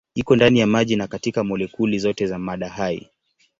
Iko ndani ya maji na katika molekuli zote za mada hai.